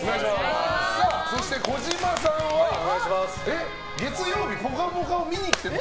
そして児嶋さんは月曜日「ぽかぽか」を見に来ていた？